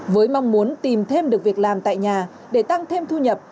với mong muốn tìm thêm được việc làm tại nhà để tăng thêm thu nhập